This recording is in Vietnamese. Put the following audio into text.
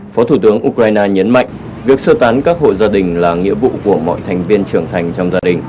phó thủ tướng ukraine nhấn mạnh việc sơ tán các hộ gia đình là nghĩa vụ của mọi thành viên trưởng thành trong gia đình